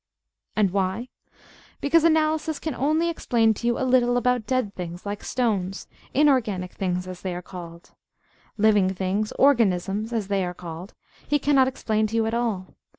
And why? Because Analysis can only explain to you a little about dead things, like stones inorganic things as they are called. Living things organisms, as they are called he cannot explain to you at all.